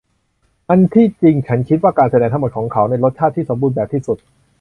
อันที่จริงฉันคิดว่าการแสดงทั้งหมดของเขาในรสชาติที่สมบูรณ์แบบที่สุด